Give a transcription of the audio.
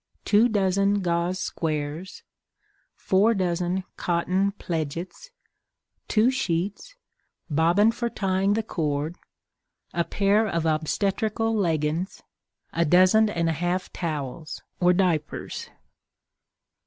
2 Dozen Gauze Squares. 4 Dozen Cotton Pledgets. 2 Sheets. Bobbin for tying the Cord. A Pair of Obstetrical Leggins. A Dozen and a Half Towels (Diapers).